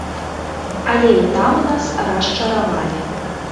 Але і там нас расчаравалі.